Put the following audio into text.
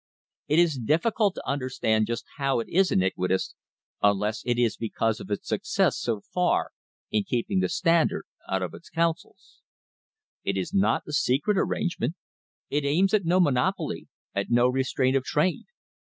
It is difficult to understand just how it is iniquitous, unless it is because of its success so far in keeping the Standard out of its councils. It is not a secret arrangement. It aims at no monopoly, at no restraint of trade.